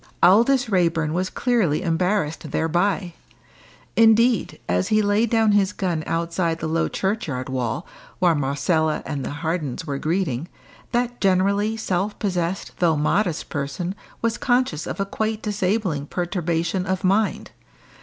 Aldous Raeburn was clearly embarrassed thereby. Indeed, as he laid down his gun outside the low churchyard wall, while Marcella and the Hardens were greeting, that generally self possessed though modest person was conscious of a quite disabling perturbation of mind.